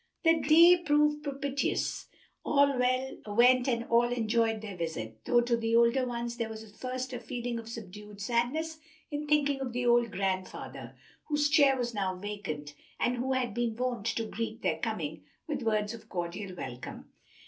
The day proved propitious, all went and all enjoyed their visit, though to the older ones there was at first a feeling of subdued sadness in thinking of the old grandfather, whose chair was now vacant, and who had been wont to greet their coming with words of cordial welcome.